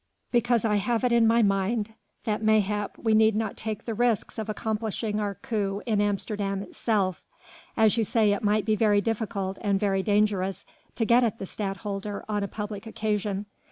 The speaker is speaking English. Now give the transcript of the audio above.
"Because I have it in my mind that mayhap we need not take the risks of accomplishing our coup in Amsterdam itself. As you say it might be very difficult and very dangerous to get at the Stadtholder on a public occasion....